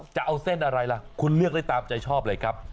จะเอาเส้นอะไรล่ะคุณเลือกได้ตามใจชอบเลยครับ